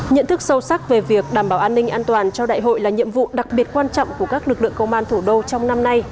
nhận thức sâu sắc về việc đảm bảo an ninh an toàn cho đại hội là nhiệm vụ đặc biệt quan trọng của các lực lượng công an thủ đô trong năm nay